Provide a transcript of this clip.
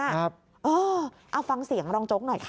เอาฟังเสียงรองโจ๊กหน่อยค่ะ